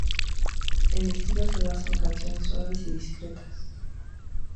El estilo se basa en canciones suaves y discretas.